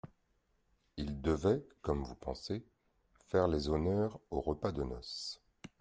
Il devait, comme vous pensez, faire les honneurs au repas de noces.